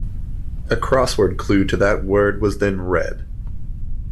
A crossword clue to that word was then read.